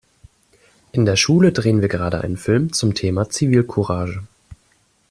In der Schule drehen wir gerade einen Film zum Thema Zivilcourage.